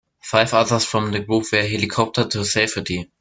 Five others from the group were helicoptered to safety.